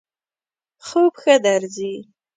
خوب ښه درځی؟